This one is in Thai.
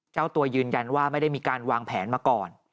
เจ้าตัวยืนยันว่าไม่ได้มีการวางแผนมาก่อน